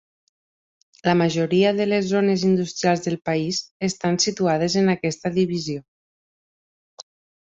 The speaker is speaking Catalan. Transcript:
La majoria de les zones industrials del país estan situades en aquesta divisió.